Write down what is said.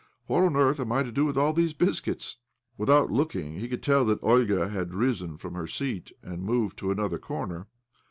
"What on earth am I to do with all these biscuits ?" Without looking, he could tell that Olga had risen from her seat and movied to another, corner.